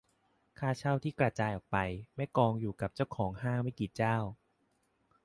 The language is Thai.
ค่าเช่าที่กระจายออกไป-ไม่กองอยู่กับเจ้าของห้างไม่กี่เจ้า